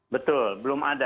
betul belum ada